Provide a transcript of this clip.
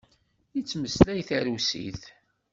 Yettmeslay tarusit.